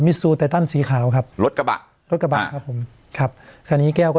ซูไตตันสีขาวครับรถกระบะรถกระบะครับผมครับคราวนี้แก้วก็